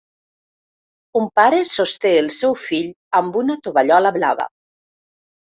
Un pare sosté el seu fill amb una tovallola blava.